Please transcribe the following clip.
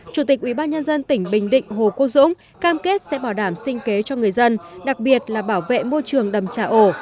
chủ tịch ubnd tỉnh bình định hồ quốc dũng cam kết sẽ bảo đảm sinh kế cho người dân đặc biệt là bảo vệ môi trường đầm trà ổ